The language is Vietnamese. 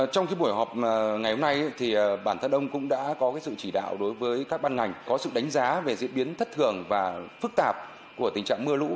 trong buổi họp ngày hôm nay bản thân ông cũng đã có sự chỉ đạo đối với các ban ngành có sự đánh giá về diễn biến thất thường và phức tạp của tình trạng mưa lũ